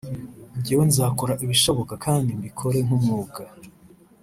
njyewe nzakora ibishoboka kandi mbikore nk’umwuga